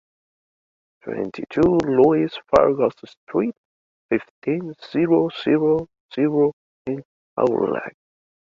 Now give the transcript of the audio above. Twenty-two, Louis Farges street, fifteen, zero zero zero in Aurillac